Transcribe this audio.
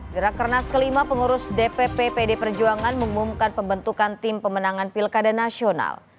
gerak kernas kelima pengurus dpp pd perjuangan mengumumkan pembentukan tim pemenangan pilkada nasional